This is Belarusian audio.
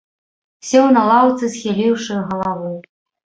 Сеў на лаўцы, схіліўшы галаву.